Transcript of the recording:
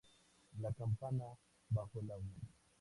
La campana bajo el agua.